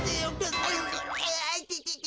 ああいててて。